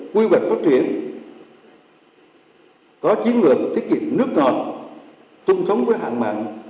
quy hoạch phát triển có chiến lược thiết nghiệm nước ngọt tung thống với hạng mạng